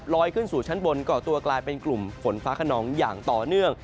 ขึ้นสู่ชั้นบนก่อตัวกลายเป็นกลุ่มฝนฟ้าขนองอย่างต่อเนื่อง